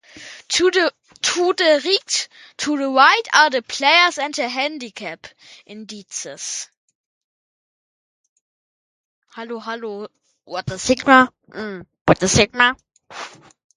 To the right are the players and their handicap indices.